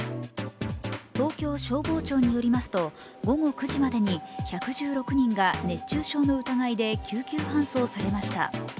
東京消防庁によりますと午後９時までに１１６人が熱中症の疑いで救急搬送されました。